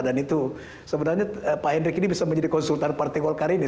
dan itu sebenarnya pak hendrik ini bisa menjadi konsultan partai golkar ini